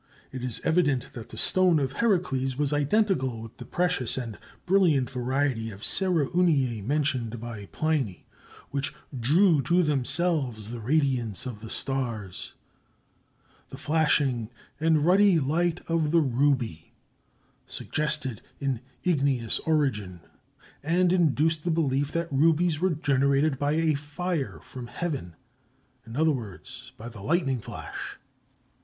It is evident that the stone of Heracleis was identical with the precious and brilliant variety of cerauniæ mentioned by Pliny, "which drew to themselves the radiance of the stars." The flashing and ruddy light of the ruby suggested an igneous origin, and induced the belief that rubies were generated by a fire from heaven,—in other words, by the lightning flash.